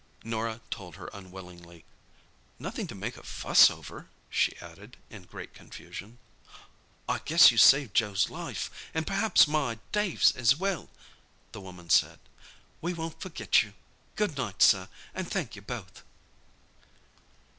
Norah told her unwillingly. "Nothing to make a fuss over," she added, in great confusion. "I guess you saved Joe's life, an' perhaps my Dave's as well," the woman said. "We won't forget you. Good night, sir, an' thank you both."